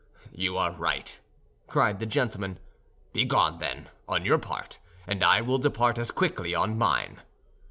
"You are right," cried the gentleman; "begone then, on your part, and I will depart as quickly on mine."